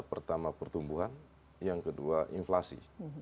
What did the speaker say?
pertama pertumbuhan yang kedua inflasi